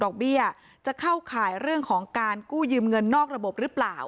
เบี้ยจะเข้าข่ายเรื่องของการกู้ยืมเงินนอกระบบหรือเปล่า